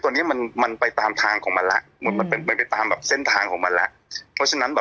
ตัวนี้ไปตามทางของเขามันละตามเส้นทางของเขามันละ